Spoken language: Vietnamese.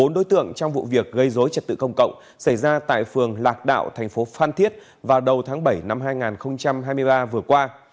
bốn đối tượng trong vụ việc gây dối trật tự công cộng xảy ra tại phường lạc đạo thành phố phan thiết vào đầu tháng bảy năm hai nghìn hai mươi ba vừa qua